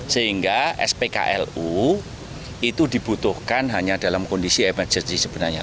sehingga spklu itu dibutuhkan hanya dalam kondisi emergency sebenarnya